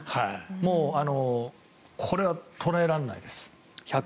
もうこれは捉えられないです。